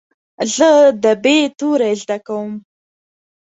زه د "ب" توری زده کوم.